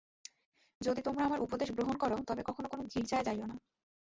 যদি তোমরা আমার উপদেশ গ্রহণ কর, তবে কখনও কোন গীর্জায় যাইও না।